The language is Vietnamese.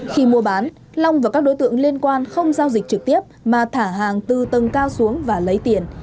khi mua bán long và các đối tượng liên quan không giao dịch trực tiếp mà thả hàng từ tầng cao xuống và lấy tiền